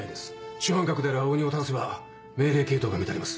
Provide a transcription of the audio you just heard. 主犯格である青鬼を倒せば命令系統が乱れます。